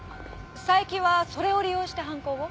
佐伯はそれを利用して犯行を？